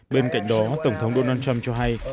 bên cạnh đó tổng thống donald trump cho hay